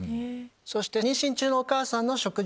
妊娠中のお母さんの食事